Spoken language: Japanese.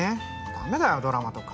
駄目だよドラマとか。